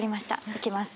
いきます。